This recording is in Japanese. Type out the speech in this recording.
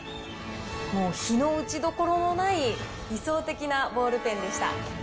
もう、非の打ちどころのない理想的なボールペンでした。